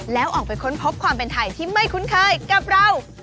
แล้วออกไปค้นพบความเป็นไทยที่ไม่คุ้นเคยกับเรา